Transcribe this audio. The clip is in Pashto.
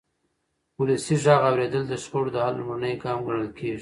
ولسي غږ اورېدل د شخړو د حل لومړنی ګام ګڼل کېږي